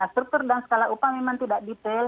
struktur dan skala upah memang tidak detail